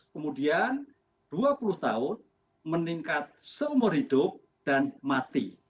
kemudian dua puluh tahun meningkat seumur hidup dan mati